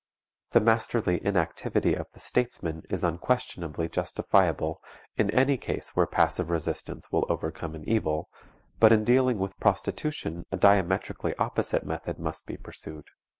The "masterly inactivity" of the statesman is unquestionably justifiable in any case where passive resistance will overcome an evil, but in dealing with prostitution a diametrically opposite method must be pursued.